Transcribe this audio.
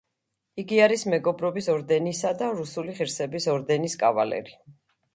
იგი არის მეგობრობის ორდენისა და რუსული ღირსების ორდენის კავალერი.